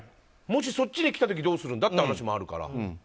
もしそっちに来た時どうするんだって話もあるから。